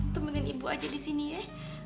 tungguin ibu aja disini ya